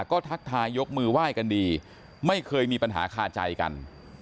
ก็ทักทายยกมือไหว้กันดีไม่เคยมีปัญหาคาใจกัน